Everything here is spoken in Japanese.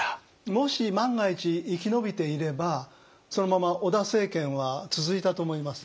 もし万が一生き延びていればそのまま織田政権は続いたと思います。